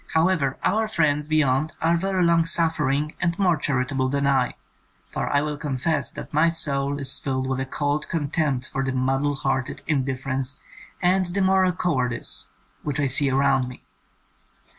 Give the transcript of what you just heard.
However, our friends beyond are very long suffering and more charitable than I, for I will confess that my soul is filled with a cold contempt for the muddle headed indifference and the moral cowardice which I see around me.